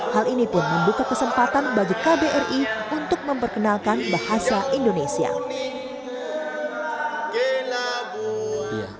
hal ini pun membuka kesempatan bagi kbri untuk memperkenalkan bahasa indonesia